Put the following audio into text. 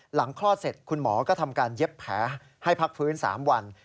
คลอดเสร็จคุณหมอก็ทำการเย็บแผลให้พักฟื้น๓วัน